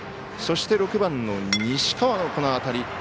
そして６番の西川の当たり。